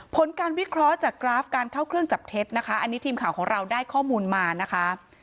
ผลการวิเคราะห์จากกราฟการเข้าเครื่องจับเท็จนะคะอันนี้ทีมข่าวของเราได้ข้อมูลมานะคะ